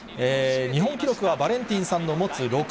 日本記録はバレンティンさんの持つ６０本。